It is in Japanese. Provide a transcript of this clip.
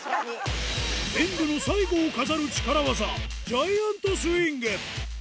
演舞の最後を飾る力技、ジャイアントスイング。